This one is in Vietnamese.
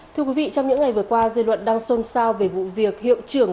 thưa quý vị trong những ngày vừa qua dư luận đang xôn xao về vụ việc hiệu trưởng